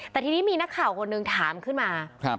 แต่ทีนี้มีนักข่าวคนหนึ่งถามขึ้นมา